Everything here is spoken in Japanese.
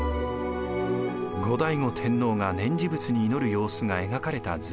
後醍醐天皇が念持仏に祈る様子が描かれた図。